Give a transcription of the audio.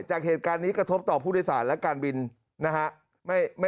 จากเหตุการณ์นี้กระทบต่อผู้โดยสารและการบินนะฮะ